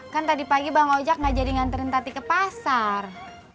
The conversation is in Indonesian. kan tadi pagi bang ojek gak jadi nganterin tati ke pasar